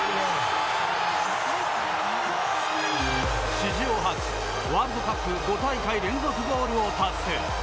史上初、ワールドカップ５大会連続ゴールを達成。